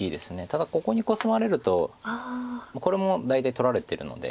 ただここにコスまれるとこれも大体取られてるので。